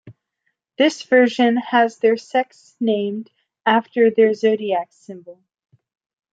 This version has their Sects named after their Zodiac symbol.